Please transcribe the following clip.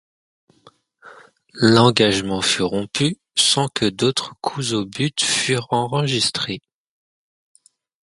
L’engagement fut rompu sans que d'autres coups au but furent enregistrés.